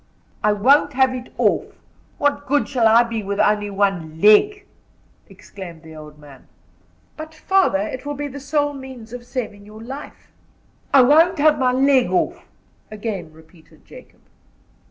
"I won't have it off! What good shall I be with only one leg?" exclaimed the old man. "But father, it will be the sole means of saving your life." "I won't have my leg off!" again repeated Jacob.